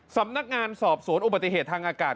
สำนักงานสอบสวนอุบัติเหตุทางอากาศ